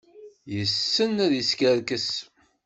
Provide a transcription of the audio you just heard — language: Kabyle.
Yessen ad iskerkes.